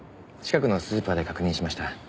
近くのスーパーで確認しました。